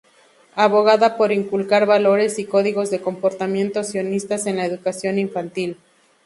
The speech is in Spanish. Aboga por inculcar valores y códigos de comportamiento sionistas en la educación infantil.